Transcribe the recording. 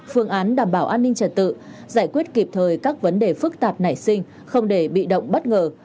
phương án đảm bảo an ninh trật tự giải quyết kịp thời các vấn đề phức tạp nảy sinh không để bị động bất ngờ